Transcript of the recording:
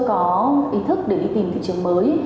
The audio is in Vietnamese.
không có hình thức để đi tìm thị trường mới